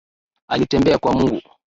Alitembea kwa mguu